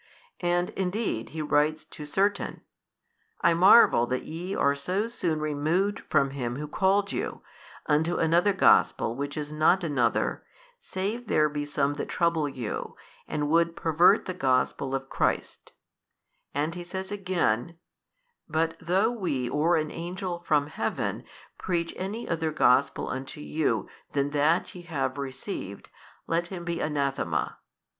and indeed he writes to certain, I marvel that ye are so soon removed from him who called you, unto another gospel which is not another, save there be some that trouble you, and would pervert the Gospel of Christ: and he says again, But though we or an Angel from Heaven preach any other gospel unto you than that ye have received, let him be anathema.